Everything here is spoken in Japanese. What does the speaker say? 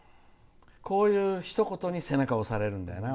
こういうひと言に背中を押されるんだよな。